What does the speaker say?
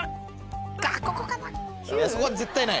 ここかな？